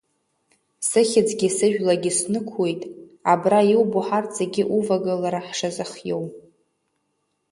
Сыхьӡгьы сыжәлагьы снықәуеит, абра иубо ҳарҭ зегьы увагылара ҳшазыхиоу.